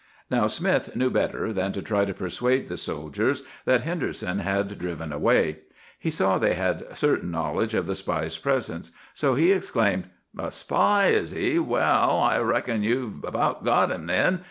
"Now, Smith knew better than to try to persuade the soldiers that Henderson had driven away. He saw they had certain knowledge of the spy's presence. So he exclaimed:— "'A spy, is he? Well, I reckon you've about got him, then.